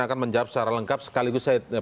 akan menjawab secara lengkap sekaligus saya